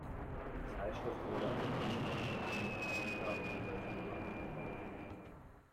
Die Zeitschrift wurde allerdings nach nur wenigen Ausgaben wieder vom Markt genommen.